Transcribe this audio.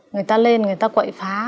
người ta lên người ta quậy phá